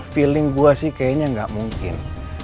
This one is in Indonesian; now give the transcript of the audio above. feeling gue sih kayaknya nggak mungkin